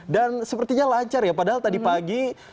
dan sepertinya lancar ya padahal tadi pagi